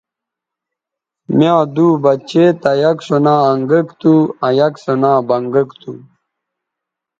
می یاں دُو بچے تھا یک سو نا انگک تھو آ یک سو نا بنگک تھو